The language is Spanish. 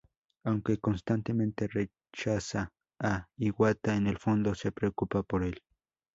Aunque constantemente rechaza a Iwata en el fondo se preocupa por el.